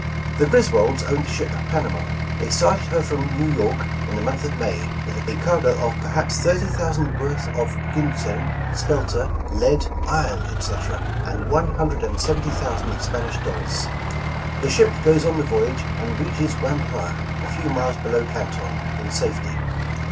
''The Griswolds owned the ship 'Panama'. They started her from New York in the month of May, with a cargo of perhaps thirty thousand worth of ginseng, spelter, lead, iron, etc., and one hundred and seventy thousand in Spanish dollars. The ship goes on the voy age and reaches Whampoa, a few miles below Canton, in safety.